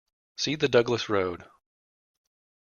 See the Douglas Road.